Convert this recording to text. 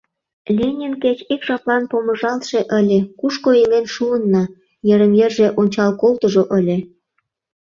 Ленин кеч ик жаплан помыжалтше ыле, кушко илен шуынна, йырым-йырже ончал колтыжо ыле!